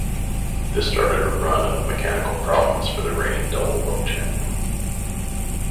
This started a run of mechanical problems for the reigning double World Champion.